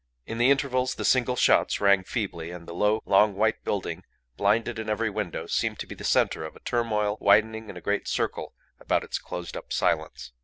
In the intervals the single shots rang feebly, and the low, long, white building blinded in every window seemed to be the centre of a turmoil widening in a great circle about its closed up silence.